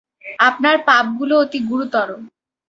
আপনার পাপগুলো অতি গুরুতর।